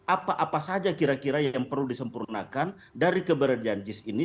apa apa saja kira kira yang perlu disempurnakan dari keberadaan jis ini